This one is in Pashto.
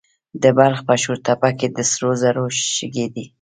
د بلخ په شورتپه کې د سرو زرو شګې دي.